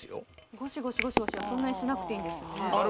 ゴシゴシゴシゴシはそんなにしなくていいんですよね